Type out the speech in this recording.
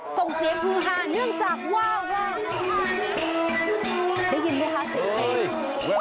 ทรงเสียงภูฮาเนื่องจากว่าได้ยินไหมคะเสียงนี้